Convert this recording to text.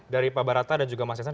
dari pak baratta dan juga mas jansen